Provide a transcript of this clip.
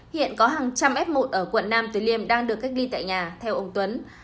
hiện có hàng trăm f một ở quận nam từ liêm đang được cách ly tại nhà theo ông tuấn